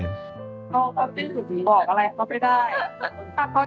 เขาความรู้สึกดีบอกอะไรเขาไม่ได้